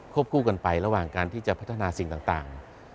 คู่กันไประหว่างการที่จะพัฒนาสิ่งต่าง